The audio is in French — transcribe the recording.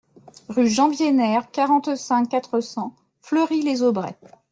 Rue Jean Wiener, quarante-cinq, quatre cents Fleury-les-Aubrais